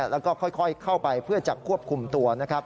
แล้วก็ค่อยเข้าไปเพื่อจะควบคุมตัวนะครับ